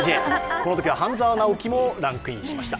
このときは「半沢直樹」もランクインしました。